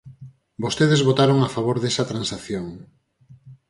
Vostedes votaron a favor desa transacción.